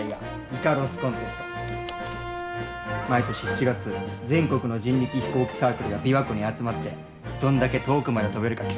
毎年７月全国の人力飛行機サークルが琵琶湖に集まってどんだけ遠くまで飛べるか競うんや。